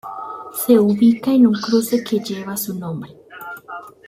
Se ubica en un cruce que lleva su nombre.